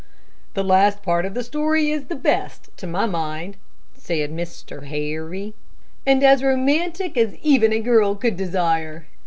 "The last part of the story is the best, to my mind," said Mr. Harry, "and as romantic as even a girl could desire.